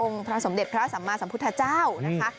พระสมเด็จพระสัมมาสัมพุทธเจ้านะคะ